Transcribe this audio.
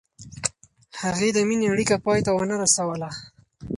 هغې د مینې اړیکه پای ته ونه رسوله.